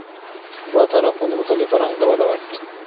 باید هر افغان د مطالعې فرهنګ ته وده ورکړي.